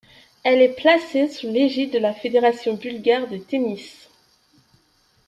Elle est placée sous l'égide de la Fédération bulgare de tennis.